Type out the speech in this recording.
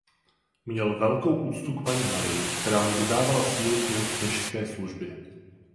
Měl velkou úctu k Panně Marii která mu dodávala sílu k jeho kněžské službě.